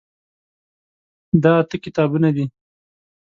دا اته کتابونه دي.